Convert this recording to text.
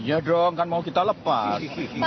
ya dong kan mau kita lepas